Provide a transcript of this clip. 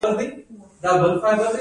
د ماشومانو کار اقتصاد ته زیان دی؟